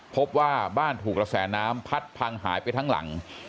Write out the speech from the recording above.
พบว่าบ้านถูกกระแสน้ำพัดพังหายไปทั้งหลัง